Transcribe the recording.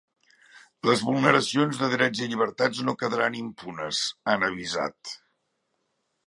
Les vulneracions de drets i llibertats no quedaran impunes, han avisat.